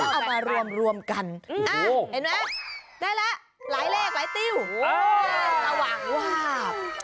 เอามารวมกันเห็นไหมได้แล้วหลายเลขหลายติ้วสว่างวาบ